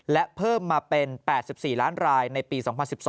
และเพิ่มมาเป็น๘๔ล้านรายในปี๒๐๑๒